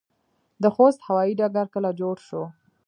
د خوست هوايي ډګر کله جوړ شو؟